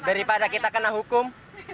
daripada kita kena hukum